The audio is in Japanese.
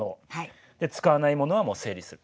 使わないものはもう整理する。